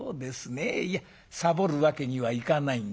ねえいやさぼるわけにはいかないんだ。